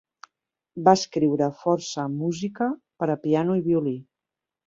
Va escriure força música per a piano i violí.